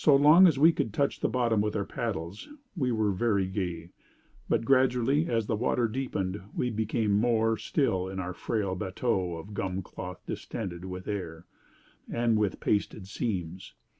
So long as we could touch the bottom with our paddles, we were very gay; but gradually, as the water deepened, we became more still in our frail batteau of gum cloth distended with air, and with pasted seams.